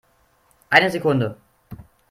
Eine Sekunde